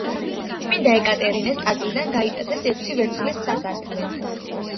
წმინდა ეკატერინეს ტაძრიდან გაიტაცეს ექვსი ვერცხლის სასანთლე.